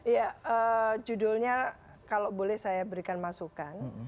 ya judulnya kalau boleh saya berikan masukan